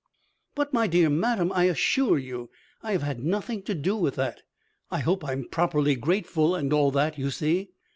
"But my dear madam, I assure you I have had nothing to do with that. I hope I'm properly grateful and all that, you see."